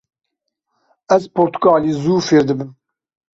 Ez portugalî zû fêr dibim.